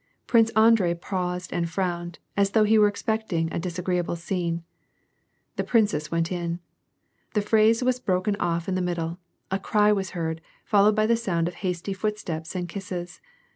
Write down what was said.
Prince Andrei pau;»ed and frowned, as though he were expecting a disagreeable scieiie. The princess went in. The phrase was broken off in the middle ; a cry was heard, followed by the sound of hasty foot steps and kisses.